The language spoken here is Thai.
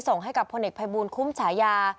ส่งให้กับพลเอกภัยบูลคุ้มฉายา